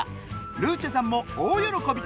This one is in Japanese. ルーチェさんも大喜び！